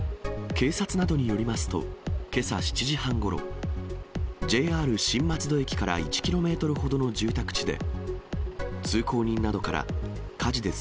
警察などによりますと、けさ７時半ごろ、ＪＲ新松戸駅から１キロメートルほどの住宅地で、通行人などから、火事です。